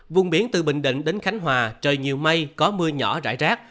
vùng biển từ bình định đến khánh hòa trời nhiều mây có mưa nhỏ rải rác